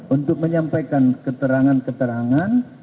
untuk menyampaikan keterangan keterangan